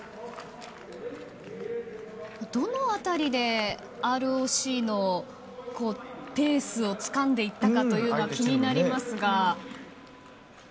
どの辺りでＲＯＣのペースをつかんでいったかというのが気になりますが。